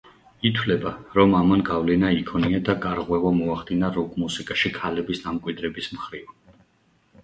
ითვლება, რომ ამან გავლენა იქონია და გარღვევა მოახდინა როკ-მუსიკაში ქალების დამკვიდრების მხრივ.